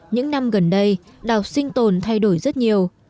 những năm gần đây đảo sinh tồn thay đổi rất nhiều